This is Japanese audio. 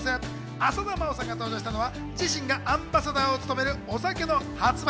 浅田真央さんが登場したのは自身がアンバサダーを務めるお酒の発売